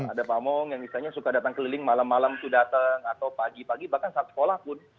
ada pamong yang misalnya suka datang keliling malam malam itu datang atau pagi pagi bahkan saat sekolah pun